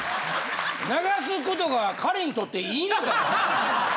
流すことが彼にとっていいのかな？